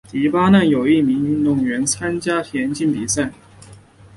黎巴嫩有一名运动员参加田径比赛。